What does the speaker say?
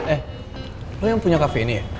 eh lo yang punya kafe ini ya